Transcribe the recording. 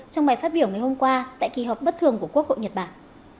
trong bài phát biểu ngày hôm qua tại kỳ họp bất thường của quốc hội nhật bản